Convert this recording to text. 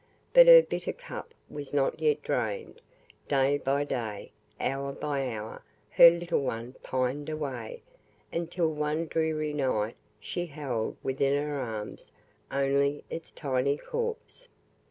But her bitter cup was not yet drained. Day by day, hour by hour, her little one pined away, until one dreary night she held within her arms only its tiny corpse.